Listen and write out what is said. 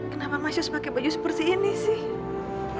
kenapa mas yos pakai baju seperti ini sih